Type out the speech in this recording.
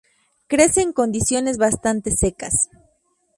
Crece en condiciones bastante secas.